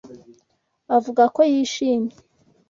Avuga ko yishimye.